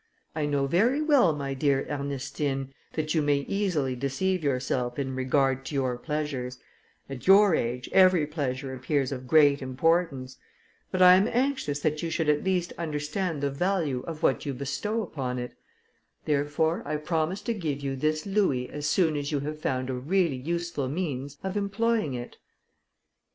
I know very well, my dear Ernestine, that you may easily deceive yourself in regard to your pleasures: at your age, every pleasure appears of great importance; but I am anxious that you should at least understand the value of what you bestow upon it; therefore, I promise to give you this louis as soon as you have found a really useful means of employing it."